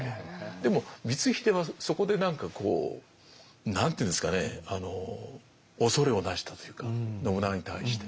でも光秀はそこで何かこう何ていうんですかね恐れをなしたというか信長に対して。